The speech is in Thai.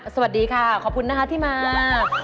สวัสดีค่ะขอบคุณนะคะที่มา